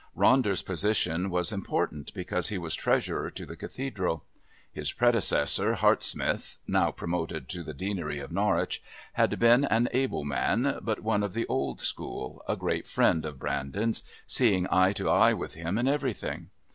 Ronder's position was important because he was Treasurer to the Cathedral. His predecessor, Hart Smith, now promoted to the Deanery of Norwich, had been an able man, but one of the old school, a great friend of Brandon's, seeing eye to eye with him in everything.